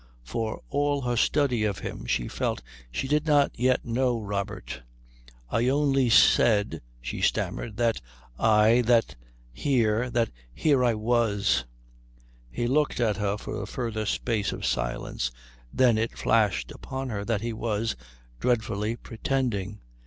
For all her study of him she felt she did not yet know Robert. "I only said," she stammered, "that I that here that here I was." He looked at her for a further space of silence. Then it flashed upon her that he was, dreadfully, pretending.